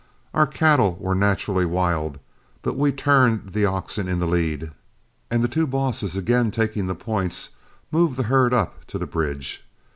Our cattle were naturally wild, but we turned the oxen in the lead, and the two bosses again taking the points, moved the herd up to the bridge.